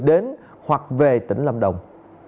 đến hoặc về tỉnh lâm đồng